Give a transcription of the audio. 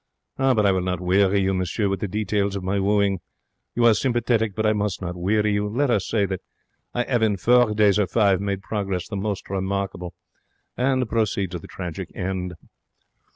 But I will not weary you, monsieur, with the details of my wooing. You are sympathetic, but I must not weary you. Let us say that I 'ave in four days or five made progress the most remarkable, and proceed to the tragic end.